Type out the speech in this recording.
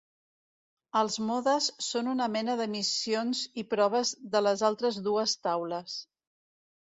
Els modes son una mena de missions i proves de les altres dues taules.